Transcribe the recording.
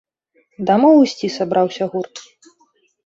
Дамоў ісці сабраўся гурт.